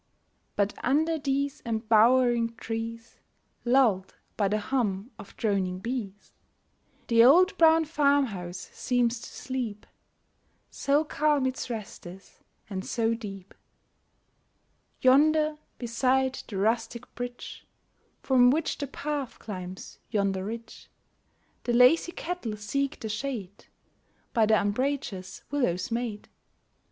But under these embowering trees, Lulled by the hum of droning bees, The old brown farmhouse seems to sleep, So calm its rest is and so deep. Yonder, beside the rustic bridge, From which the path climbs yonder ridge, The lazy cattle seek the shade By the umbrageous willows made.